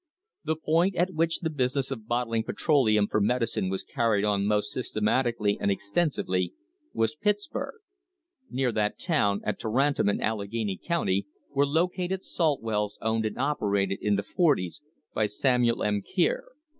The point at which the business of bottling petro leum for medicine was carried on most systematically and extensively was Pittsburg. Near that town, at Tarentum in Alleghany County, were located salt wells owned and oper ated in the forties by Samuel M. Kier.